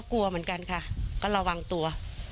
กลัวเหมือนกันค่ะก็ระวังตัว